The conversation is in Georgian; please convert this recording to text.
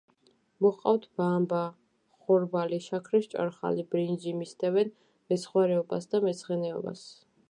მოჰყავთ ბამბა, ხორბალი, შაქრის ჭარხალი, ბრინჯი, მისდევენ მეცხვარეობას და მეცხენეობას.